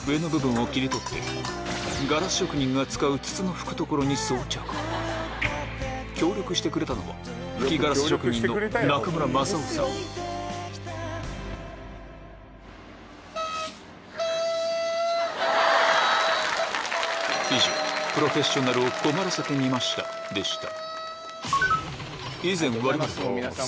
最後は我々は協力してくれたのはプロフェッショナルを困らせてみましたでした